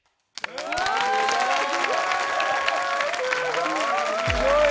すごいね！